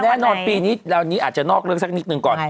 แน่นอนปีนี้ดาวนี้อาจจะนอกเรื่องสักนิดหนึ่งก่อน